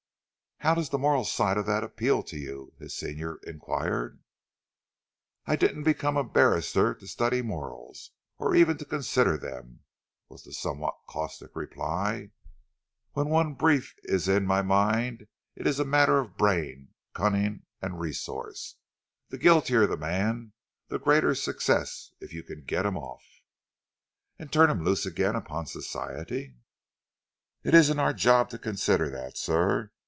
"How does the moral side of that appeal to you?" his senior enquired. "I didn't become a barrister to study morals, or even to consider them," was the somewhat caustic reply. "When once a brief is in my mind, it is a matter of brain, cunning and resource. The guiltier a man, the greater the success if you can get him off." "And turn him loose again upon Society?" "It isn't our job to consider that, sir.